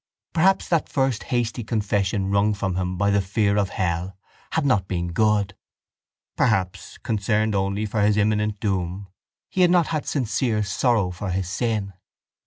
Perhaps that first hasty confession wrung from him by the fear of hell had not been good? Perhaps, concerned only for his imminent doom, he had not had sincere sorrow for his sin?